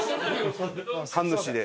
神主で。